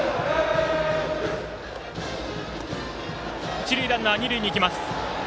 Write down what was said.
一塁ランナー二塁にいきます。